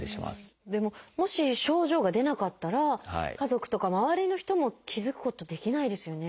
でももし症状が出なかったら家族とか周りの人も気付くことできないですよね。